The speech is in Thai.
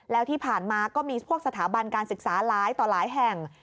แล้วที่ผ่านมาก็มีพวกสถาบันการศึกษาหลายต่อหลายแห่ง